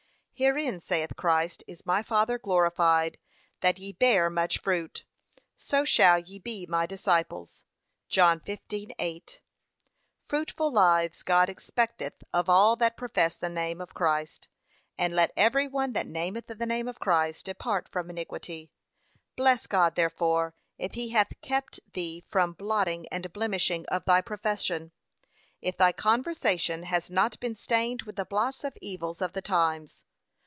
'Herein,' saith Christ, 'is my Father glorified, that ye bear much fruit; so shall ye be my disciples.' (John 15:8) Fruitful lives God expecteth of all that profess the name of Christ. And let every one that nameth the name of Christ depart from iniquity. Bless God, therefore, if he hath kept thee from blotting and blemishing of thy profession; if thy conversation has not been stained with the blots and evils of the times.